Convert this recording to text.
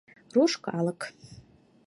Руш калык!